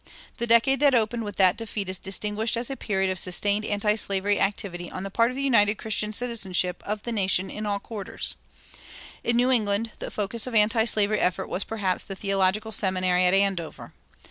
The decade that opened with that defeat is distinguished as a period of sustained antislavery activity on the part of the united Christian citizenship of the nation in all quarters.[271:1] In New England the focus of antislavery effort was perhaps the theological seminary at Andover.